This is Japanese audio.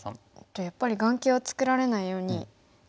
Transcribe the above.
じゃあやっぱり眼形を作られないように②の左に。